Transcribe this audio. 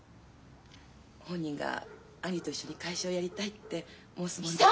本人が兄と一緒に会社をやりたいって申すものですから。